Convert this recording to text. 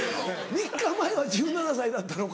・３日前は１７歳だったのか？